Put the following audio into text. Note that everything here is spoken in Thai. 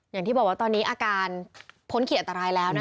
อย่างที่บอกว่าตอนนี้อาการพ้นขีดอันตรายแล้วนะคะ